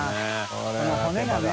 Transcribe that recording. この骨がね。